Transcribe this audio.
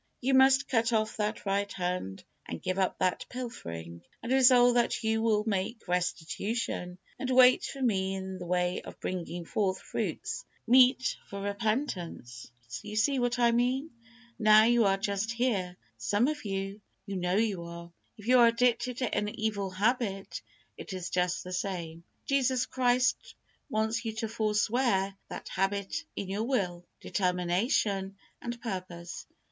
You must cut off that right hand, and give up that pilfering, and resolve that you will make restitution, and wait for Me in the way of bringing forth fruits meet for repentance." You see what I mean. Now, you are just here, some of you you know you are. If you are addicted to any evil habit, it is just the same. Jesus Christ wants you to forswear that habit in your will, determination, and purpose.